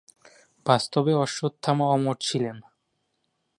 বাস্তবে অশ্বত্থামা অমর ছিলেন।